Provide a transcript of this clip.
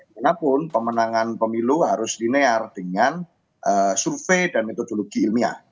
manapun pemenangan pemilu harus linear dengan survei dan metodologi ilmiah